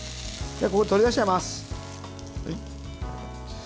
取り出しちゃいます。